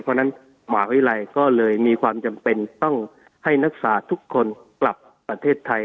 เพราะฉะนั้นมหาวิทยาลัยก็เลยมีความจำเป็นต้องให้นักศึกษาทุกคนกลับประเทศไทย